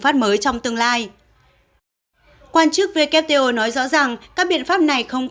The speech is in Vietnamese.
phát mới trong tương lai quan chức who nói rõ rằng các biện pháp này